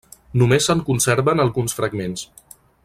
Només se'n conserven alguns fragments.